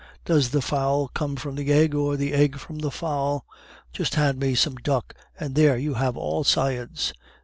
Does the fowl come from the egg, or the egg from the fowl?... Just hand me some duck... and there, you have all science."